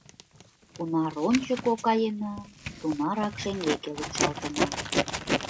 — Кунар ончыко каена, тунарак шеҥгеке лупшалтына.